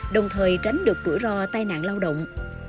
đồng thời tránh được rủi ro tai nạn lao động